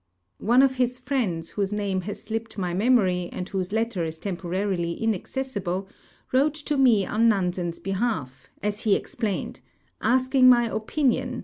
* One of his friends, whost; name has slipped my memory and whose letter is temporarily inaccessible, wrote to me on Nansen's behalf, as he explained, asking my ojiinion, * Sf!